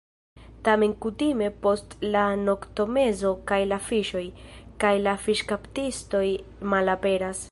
Tamen kutime post la noktomezo kaj la fiŝoj, kaj la fiŝkaptistoj malaperas.